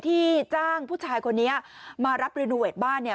ที่จ้างผู้ชายคนนี้มารับบ้านเนี่ย